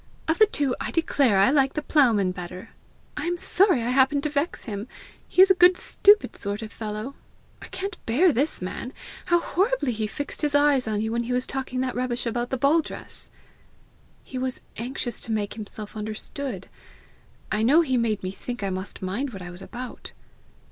Of the two, I declare, I like the ploughman better. I am sorry I happened to vex him; he is a good stupid sort of fellow! I can't bear this man! How horribly he fixed his eyes on you when he was talking that rubbish about the ball dress!" "He was anxious to make himself understood. I know he made me think I must mind what I was about!"